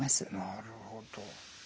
なるほど。